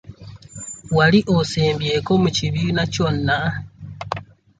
Wali osembyeko mu kibiina kyonna?